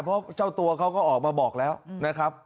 เพราะเจ้าตัวเขาก็ออกมาบอกแล้วนะครับ